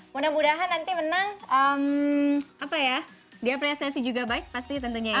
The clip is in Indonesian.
mudah mudahan nanti menang apa ya diapresiasi juga baik pasti tentunya ya